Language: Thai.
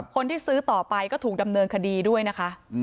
คนที่ซื้อต่อไปก็ถูกดำเนินคดีด้วยนะคะ